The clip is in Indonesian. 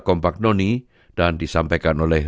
compagnoni dan disampaikan oleh